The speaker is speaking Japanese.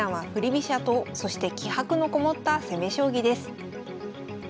飛車党そして気迫のこもった攻め将棋です。